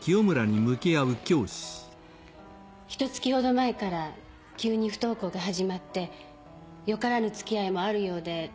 ひと月ほど前から急に不登校が始まってよからぬつきあいもあるようで。